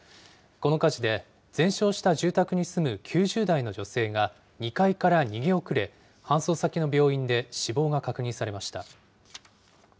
この火事で、全焼した住宅に住む９０代の女性が２階から逃げ遅れ、搬送先の病院で死亡が確認されました。